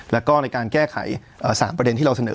แล้วก็ในการแก้ไข๓ประเด็นที่เราเสนอ